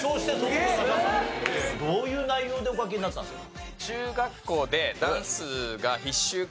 どういう内容でお書きになったんですか？